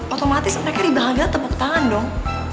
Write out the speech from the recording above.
otomatis mereka dibahagia tepuk tangan dong